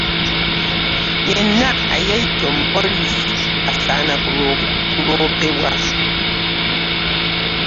Yenna eyeeyita omupoliisi asaana kuloopebwa.